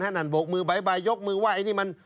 พระนันต์บกมือใบยกมือไหว้